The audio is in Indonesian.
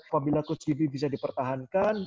apabila coach gb bisa dipertahankan